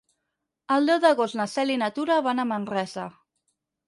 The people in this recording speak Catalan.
El deu d'agost na Cel i na Tura van a Manresa.